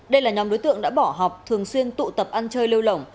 đây là nhóm đối tượng đã bỏ học thường xuyên tụ tập ăn chơi lêu lỏng